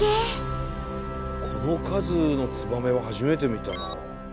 この数のツバメは初めて見たなあ。